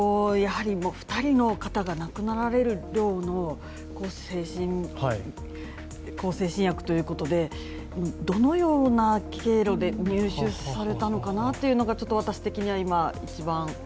２人の方が亡くなられるほどの向精神薬ということで、どのような経路で入手されたのかなというのが私的には１番。